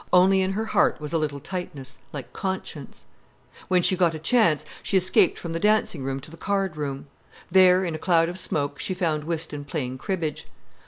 Only in her heart was a little tightness, like conscience. When she got a chance, she escaped from the dancing room to the card room. There, in a cloud of smoke, she found Whiston playing cribbage.